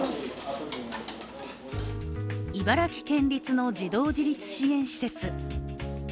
茨城県立の児童自立支援施設。